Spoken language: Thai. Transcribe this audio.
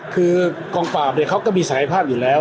คือกองปราบเนี่ยเขาก็มีศักยภาพอยู่แล้ว